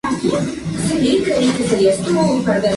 Según el decreto no.